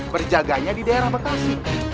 berjaganya di daerah bekasi